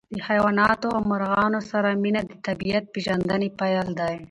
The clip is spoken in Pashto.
د حیواناتو او مرغانو سره مینه د طبیعت د پېژندنې پیل دی.